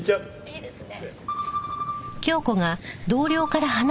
いいですね。